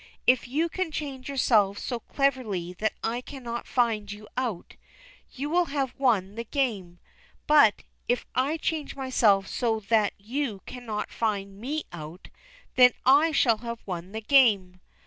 If you can change yourself so cleverly that I cannot find you out, you will have won the game; but, if I change myself so that you cannot find me out, then I shall have won the game.